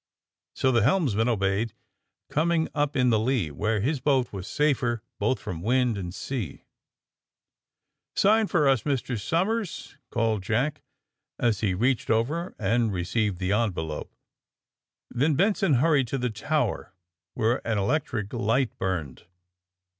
So the helmsman obeyed, coming up in the lee, where his boat was safer both from wind and sea. ^^Sign for this, Mr. Somers," called Jack, as he reached over and received the envelope. Then Benson hurried to the tower, where an electric light burned.